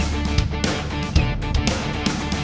saya selalu ber preach sidear